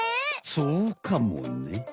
そうかもね。